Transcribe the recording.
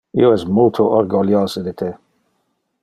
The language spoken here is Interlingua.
Io es multo orguliose de te.